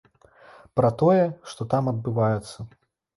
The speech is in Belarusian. Пра тое, што там адбываецца.